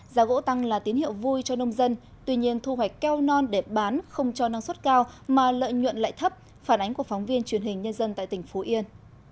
giá gỗ tăng là tín hiệu vui cho nông dân tuy nhiên thu hoạch keo non để bán không cho năng suất cao mà lợi nhuận lại thấp phản ánh của phóng viên truyền hình nhân dân tại tỉnh phú yên